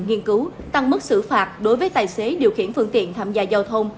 nghiên cứu tăng mức xử phạt đối với tài xế điều khiển phương tiện tham gia giao thông